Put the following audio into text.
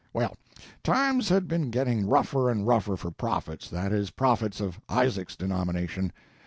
"Well, times had been getting rougher and rougher for prophets that is, prophets of Isaac's denomination.